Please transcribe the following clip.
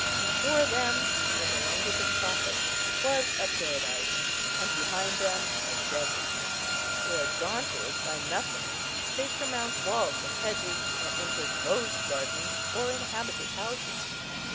Before them, in the language of prophets, was a paradise; and behind them a desert. They are daunted by nothing; they surmount walls and hedges, and enter enclosed gardens or inhabited houses.